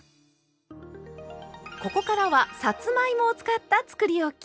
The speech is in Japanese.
ここからはさつまいもを使ったつくりおき！